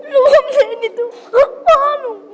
ร่วมเล่นนิดนึงกับพ่อหนู